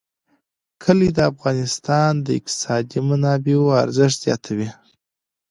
کلي د افغانستان د اقتصادي منابعو ارزښت زیاتوي.